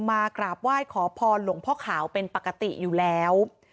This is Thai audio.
มากราบไหว้ขอพรหลวงพ่อขาวเป็นปกติอยู่แล้ว